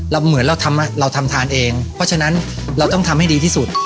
เหมือนเราทำทานเองเพราะฉะนั้นเราต้องทำให้ดีที่สุด